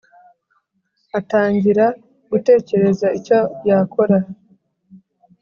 atangira gutekereza icyo yakora